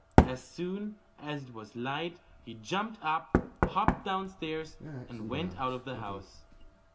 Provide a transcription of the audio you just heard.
As soon as it was light he jumped up, hopped downstairs, and went out of the house.